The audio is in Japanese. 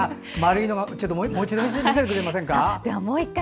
もう一度見せてくれませんか。